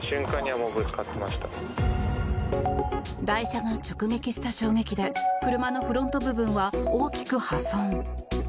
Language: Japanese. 台車が直撃した衝撃で車のフロント部分は大きく破損。